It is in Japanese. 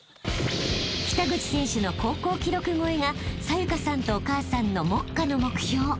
［北口選手の高校記録超えが紗優加さんとお母さんの目下の目標］